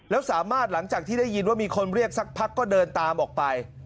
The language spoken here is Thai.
แล้วสามารถหลังจากที่ได้ยินว่ามีคนเรียกสักพักก็เดินตามออกไป